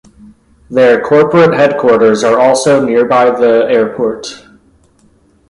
Their corporate headquarters are also nearby the airport.